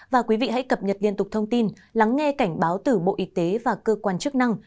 và quý vị hãy cập nhật liên tục thông tin lắng nghe cảnh báo từ bộ y tế và cơ quan chức năng